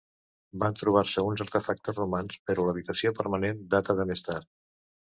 Van trobar-se uns artefactes romans, però l'habitació permanent data de més tard.